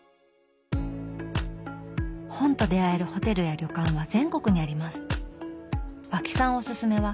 本と出会えるホテルや旅館は全国にあります。